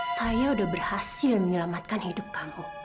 saya sudah berhasil menyelamatkan hidup kamu